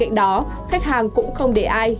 bên cạnh đó khách hàng cũng không để ai